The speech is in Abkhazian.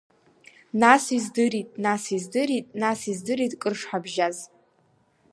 Нас издырит, нас издырит, нас издырит кыр шҳабжьаз…